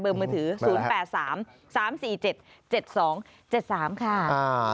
มือถือ๐๘๓๓๔๗๗๒๗๓ค่ะ